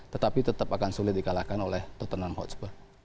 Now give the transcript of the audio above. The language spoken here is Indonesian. tetapi tetap akan sulit di kalahkan oleh tottenham hotspur